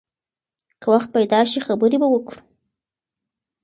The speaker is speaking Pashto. که وخت پیدا شي، خبرې به وکړو.